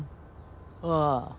「ああ」